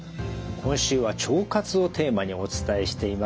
今週は腸活をテーマにお伝えしています。